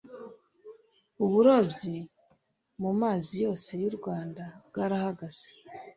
uburobyi mu mazi yose y u Rwanda bwarahagaze